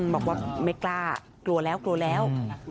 บอกว่าไม่กล้ากลัวแล้วกลัวแล้ว